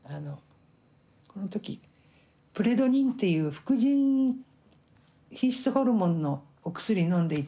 この時プレドニンっていう副腎皮質ホルモンのお薬のんでいて。